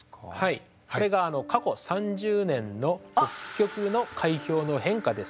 これが過去３０年の北極の海氷の変化です。